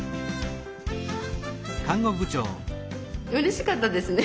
うれしかったですね